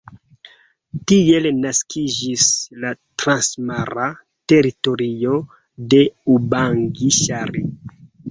Tiel naskiĝis la Transmara Teritorio de Ubangi-Ŝari.